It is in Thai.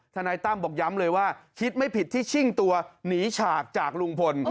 นายตั้มบอกย้ำเลยว่าคิดไม่ผิดที่ชิ่งตัวหนีฉากจากลุงพล